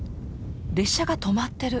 列車が止まってる。